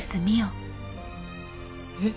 えっ？